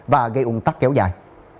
và gây ung tắc kéo dài